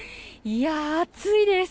暑いです。